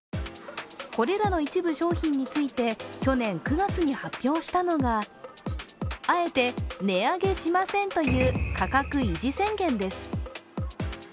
これらの一部商品について去年９月に発表したのがあえて「値上げしません！」という価格維持宣言です。